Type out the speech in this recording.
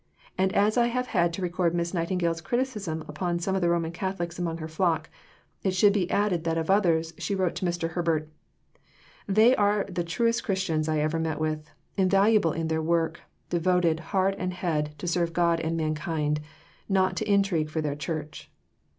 And as I have had to record Miss Nightingale's criticism upon some of the Roman Catholics among her flock, it should be added that of others she wrote to Mr. Herbert: "They are the truest Christians I ever met with invaluable in their work devoted, heart and head, to serve God and mankind not to intrigue for their Church."